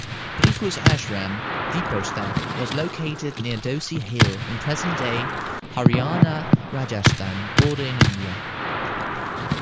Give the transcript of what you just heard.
Bhrigu's ashram 'Deepostak' was located near Dhosi Hill in present-day Haryana-Rajasthan border in India.